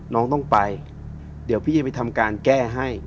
น้องต้องไปเดี๋ยวพี่จะไปทำการแก้ให้